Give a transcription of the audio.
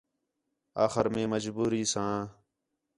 آخر مئے مجبوری ساں